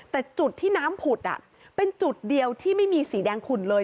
แต่จุดที่น้ำผุดเป็นจุดเดียวที่ไม่มีสีแดงขุ่นเลย